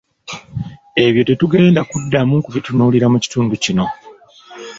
Ebyo tetugenda kuddamu kubitunuulira mu kitundu kino.